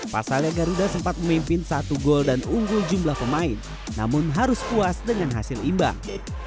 pasalnya garuda sempat memimpin satu gol dan unggul jumlah pemain namun harus puas dengan hasil imbang